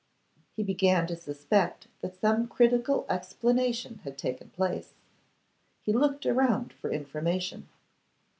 He began to suspect that some critical explanation had taken place. He looked around for information.